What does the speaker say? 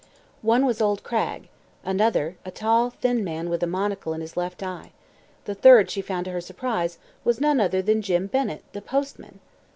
One was old Cragg; another a tall, thin man with a monocle in his left eye; the third, she found to her surprise, was none other than Jim Bennett the postman.